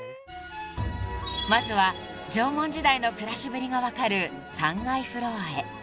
［まずは縄文時代の暮らしぶりが分かる３階フロアへ］